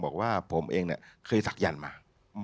พระพุทธพิบูรณ์ท่านาภิรม